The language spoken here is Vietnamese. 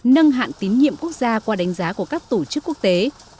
nâng hạn tín nhiệm quốc gia qua đánh giá của các tổ chức quốc tế